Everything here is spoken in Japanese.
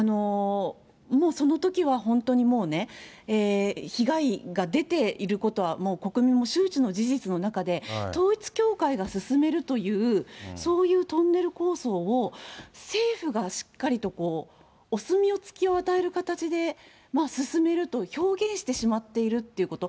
もうそのときは本当にもうね、被害が出ていることはもう国民も周知の事実の中で、統一教会が進めるという、そういうトンネル構想を、政府がしっかりとお墨付きを与える形で進めると、表現してしまっているということ。